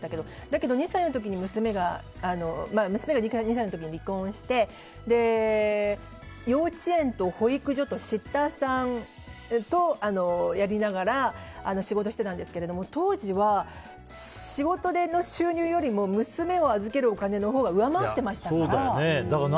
だけど娘が２歳の時に離婚して幼稚園と保育所とシッターさんとやりながら仕事をしていたんですが当時は、仕事での収入よりも娘を預けるお金のほうが上回っていましたから。